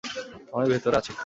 আমি ভেতরে আছি।